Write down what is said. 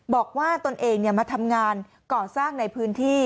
ตนเองมาทำงานก่อสร้างในพื้นที่